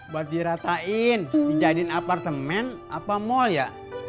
buat diratain dijadiin apartemen apa mall ya